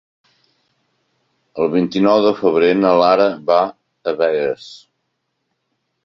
El vint-i-nou de febrer na Lara va a Begues.